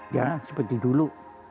ya seperti dulu